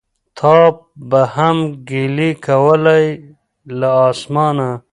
تا به هم ګیلې کولای له اسمانه